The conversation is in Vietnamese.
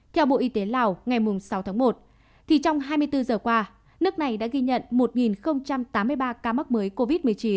theo bộ y tế lào ngày sáu tháng một thì trong hai mươi bốn giờ qua nước này đã ghi nhận một tám mươi ba ca mắc mới covid một mươi chín